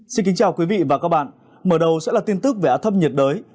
xin kính chào quý vị và các bạn mở đầu sẽ là tin tức về ác thấp nhiệt đới